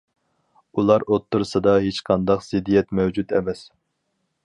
ئۇلار ئوتتۇرىسىدا ھېچقانداق زىددىيەت مەۋجۇت ئەمەس.